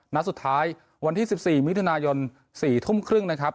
นัดสุดท้ายวันที่๑๔มิถุนายน๔ทุ่มครึ่งนะครับ